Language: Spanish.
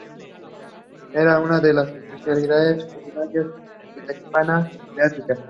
Era una de las especialidades culinarias de la Hispania Baetica.